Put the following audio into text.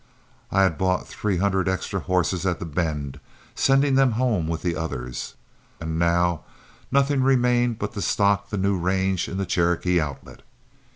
I had bought three hundred extra horses at The Bend, sending them home with the others, and now nothing remained but to stock the new range in the Cherokee Outlet.